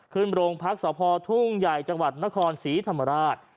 ขึ้นโรงพักษพทุ่งใหญ่จังหวัดนครศรีธรรมราช